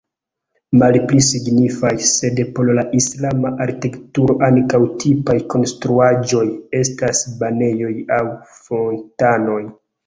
Malpli signifaj, sed por la islama arkitekturo ankaŭ tipaj konstruaĵoj, estas banejoj aŭ fontanoj.